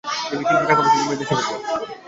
কিছু টাকা পয়সা জমিয়ে দেশে ফিরব।